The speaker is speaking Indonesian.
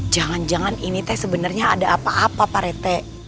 jangan jangan ini teh sebenarnya ada apa apa pak rete